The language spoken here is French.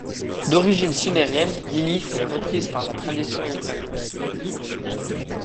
D'origine sumérienne, Lilith est reprise par la tradition hébraïque.